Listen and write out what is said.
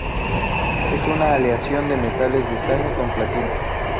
Es una aleación de metales de estaño con platino.